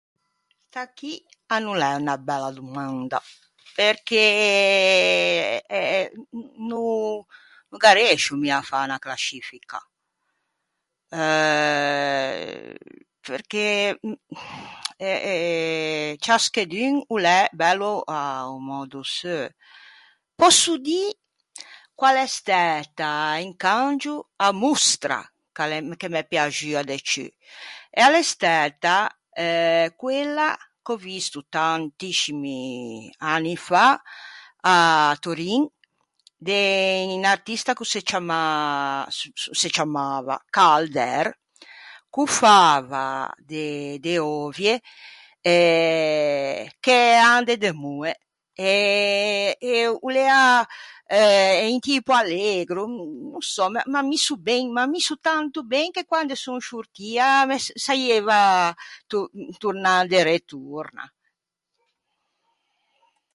Sta chì a no l'é unna bella domanda, perché eh, no, no gh'arriëscio mi à fâ unna clascifica. Euh perché... eh... ciaschedun o l'é bello a-o mòddo seu. Pòsso dî quæ a l'é stæta incangio a mostra ch'a l'é, ch'a m'é piaxua de ciù. E a l'é stæta eh quella ch'ò visto tantiscimi anni fa à Turin, de un artista ch'o se ciamma, o se ciammava, Calder, ch'o fava de de euvie eh che ean de demoe. E... e o l'ea un tipo allegro, no ô sò, m'à misso ben, m'à misso tanto ben che quande son sciortia me saieiva tor- tornâ inderê torna.